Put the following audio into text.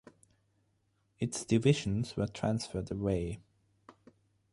Its divisions were transferred away.